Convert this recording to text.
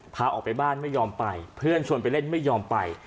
พาออกไปบ้านไม่ยอมไปเพื่อนชวนไปเล่นไม่ยอมไป